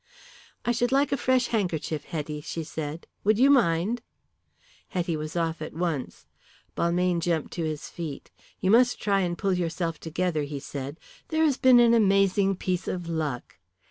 "I should like a fresh handkerchief, Hetty," she said. "Would you mind?" Hetty was off at once. Balmayne jumped to his feet. "You must try and pull yourself together," he said. "There has been an amazing piece of luck.